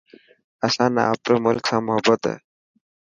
اسان نا آپري ملڪ سان محبت هي.